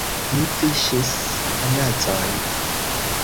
Mi viŝis la nazon.